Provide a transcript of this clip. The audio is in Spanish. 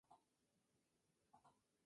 vosotros bebisteis